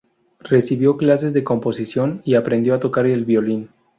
Recibió clases de composición y aprendió a tocar el violín.